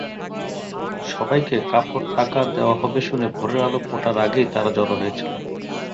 সবাইকে কাপড়-টাকা দেওয়া হবে শুনে ভোরের আলো ফোটার আগেই তাঁরা জড়ো হয়েছিলেন।